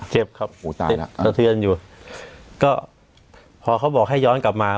เจ็บครับหูตายแล้วสะเทือนอยู่ก็พอเขาบอกให้ย้อนกลับมา